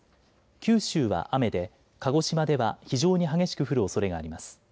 九州は雨で鹿児島では非常に激しく降るおそれがあります。